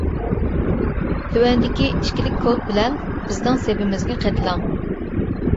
تۆۋەندىكى ئىككىلىك كود بىلەن بىزنىڭ سېپىمىزگە قېتىلىڭ.